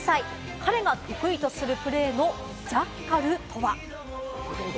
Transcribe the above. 彼が得意とするプレーのジャッカルとは？